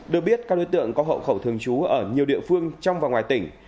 được biết các đối tượng có hậu khẩu thường trú ở nhiều địa phương trong và ngoài tỉnh